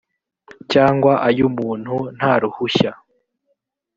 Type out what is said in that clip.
cyangwa ay umuntu nta ruhushya